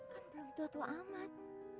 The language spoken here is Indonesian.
kan belum tua tua amat